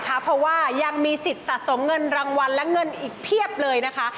เพราะว่ายังมีสิทธิ์สะสมเงินรางวัลและเงินอีกเพียบเลยนะคะ